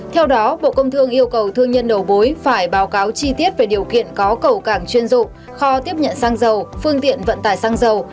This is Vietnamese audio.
theo đó bộ công thương yêu cầu thương nhân đầu mối phải báo cáo chi tiết về điều kiện có cầu cảng chuyên dụng kho tiếp nhận xăng dầu phương tiện vận tải xăng dầu